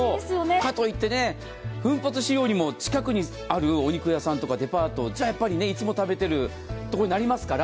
かといって、奮発しようにも近くにあるお肉屋さんとかデパートでは、いつも食べてる所になりますから。